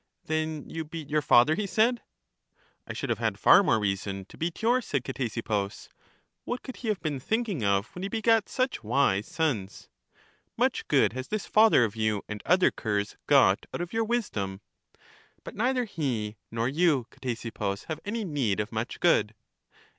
Then you beat your father, he said. I should have had far more reason to beat yours, said Ctesippus ; what could he have been thinking of when he begat such wise sons? much good has this father of you and other curs got out of your wisdom. But neither he nor you, Ctesippus, have any need of much good.